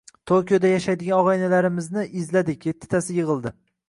Tokioda yashayotgan og`aynilarimizni izladik ettitasi yig`ildi